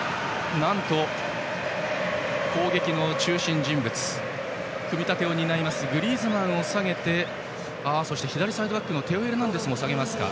なんと、攻撃の中心人物組み立てを担うグリーズマンを下げてそして左サイドバックのテオ・エルナンデスも下げます。